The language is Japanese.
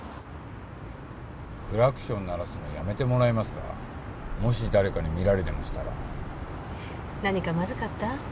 クラクション鳴らすのやめてもらえますかもし誰かに見られでもしたら何かまずかった？